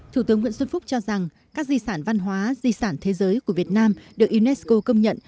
thủ tướng nguyễn xuân phúc cho rằng các di sản văn hóa di sản thế giới của việt nam được unesco công nhận